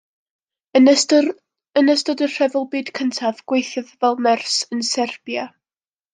Yn ystod y Rhyfel Byd Cyntaf gweithiodd fel nyrs yn Serbia.